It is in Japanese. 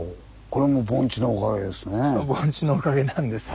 これも盆地のおかげなんです。